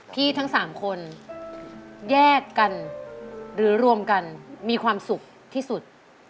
ทั้ง๓คนแยกกันหรือรวมกันมีความสุขที่สุด